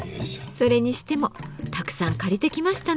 それにしてもたくさん借りてきましたね。